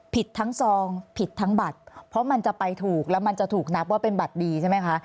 ผิดทั้งซองผิดทั้งบัตรเพราะมันจะไปถูกแล้วมันจะถูกนับว่าเป็นบัตรดีใช่ไหมคะ